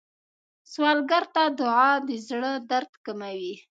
سوالګر ته دعا د زړه درد کموي